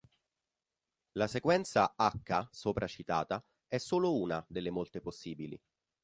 La sequenza "h" sopracitata è solo una delle molte possibili.